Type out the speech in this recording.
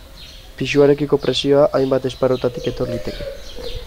Pisuarekiko presioa hainbat esparrutatik etor liteke.